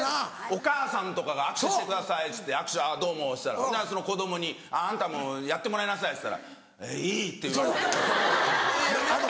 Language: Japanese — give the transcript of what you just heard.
お母さんとかが「握手してください」っつって握手「あぁどうも」ってしたらその子供に「あんたもやってもらいなさい」っつったら「いい！」って言われたりとか。